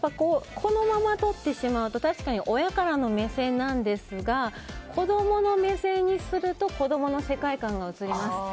このまま撮ってしまうと確かに親からの目線なんですが子供の目線にすると子供の世界観が写ります。